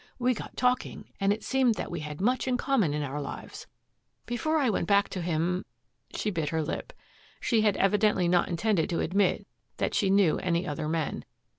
We got talking, and it seemed that we had much in common in our lives. Before I went back to him " She bit her lip. She had evidently not intended to admit that she knew any other men.